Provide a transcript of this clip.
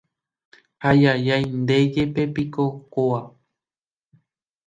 Haijajái ndéjepepiko kóva